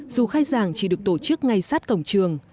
dù khai giảng chỉ được tổ chức ngay sát cổng trường